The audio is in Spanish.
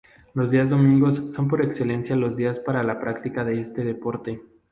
Los días domingos son por excelencia los días para la práctica de este deporte.